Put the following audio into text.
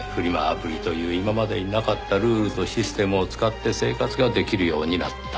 アプリという今までになかったルールとシステムを使って生活ができるようになった。